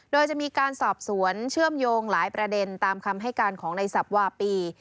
โดยจะมีการสอบสวนเชื่อมโยงหลายประเด็นตามคำให้การของในสับวาปี